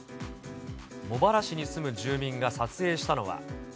茂原市に住む住民が撮影したのは。